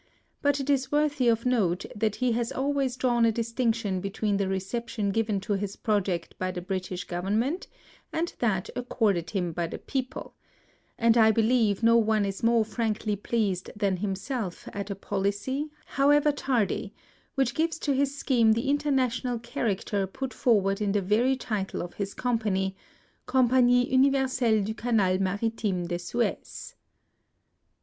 But it is worthy of note that he has always drawn a distinction be tween the reception given to his project by the British Government and that accorded him by the people ; and I bebeve no one is more frankly pleased than himself at a policy, however tardy, which gives to his scheme the international character put forward in the very title of his Company, " Compagnie Universelle du Canal Maritime de Suez."